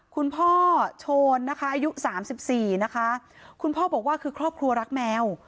คุณพ่อโชนนะคะอายุสามสิบสี่นะคะคุณพ่อบอกว่าคือครอบครัวรักแมว